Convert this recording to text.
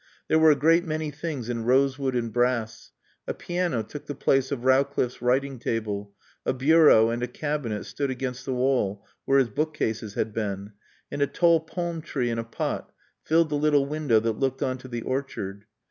There were a great many things in rosewood and brass; a piano took the place of Rowcliffe's writing table; a bureau and a cabinet stood against the wall where his bookcases had been; and a tall palm tree in a pot filled the little window that looked on to the orchard.